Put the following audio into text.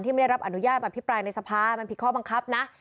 ไม่ได้รับอนุญาตอภิปรายในสภามันผิดข้อบังคับนะ